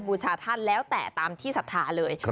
บูชาท่านแล้วแต่ตามที่ศรัทธาเลย